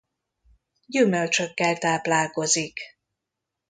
Gyümölcsökkel táplálkozik.